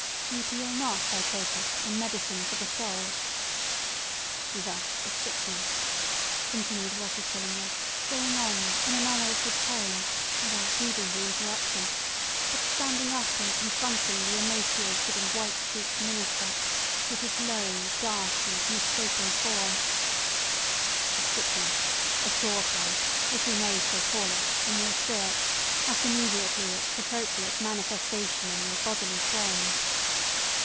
"You deal not, I take it, in medicine for the soul!" "Thus, a sickness," continued Roger Chillingworth, going on, in an unaltered tone, without heeding the interruption, but standing up and confronting the emaciated and white cheeked minister, with his low, dark, and misshapen figure,—"a sickness, a sore place, if we may so call it, in your spirit hath immediately its appropriate manifestation in your bodily frame.